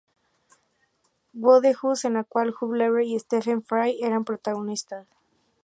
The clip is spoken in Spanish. Wodehouse, en la cual Hugh Laurie y Stephen Fry eran protagonistas.